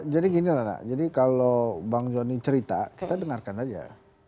jadi gini lah jadi kalau bang johnny cerita kita dengarkan aja